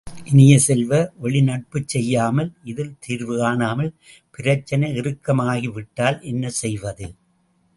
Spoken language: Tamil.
இனிய செல்வ, வெளி நடப்புச் செய்யாமல் இதில் தீர்வு காணாமல் பிரச்சினை இறுக்கமாகி விட்டால் என்னசெய்வது?